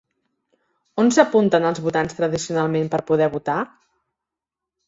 On s'apunten els votants tradicionalment per poder votar?